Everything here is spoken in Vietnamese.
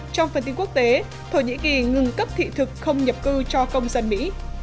trong phần tin quốc tế thổ nhĩ kỳ ngừng cấp thị thực không nhập cư cho công dân mỹ